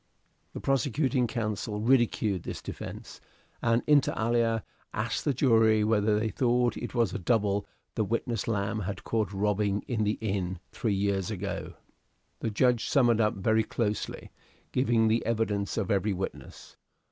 The prosecuting counsel ridiculed this defence, and inter alia asked the jury whether they thought it was a double the witness Lamb had caught robbing in the inn three years ago. The judge summed up very closely, giving the evidence of every witness.